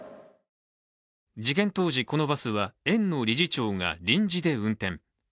事件当時、このバスは園の理事長が臨時で運転。